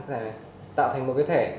để tạo thành một cái thẻ